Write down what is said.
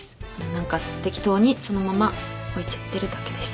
何か適当にそのまま置いちゃってるだけです。